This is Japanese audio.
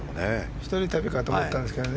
１人旅かと思ったんですけどね。